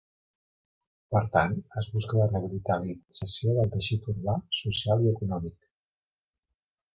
Per tant, es busca la revitalització del teixit urbà, social i econòmic.